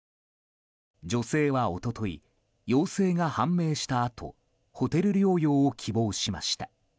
女性は一昨日陽性が判明したあとホテル療養を希望しました。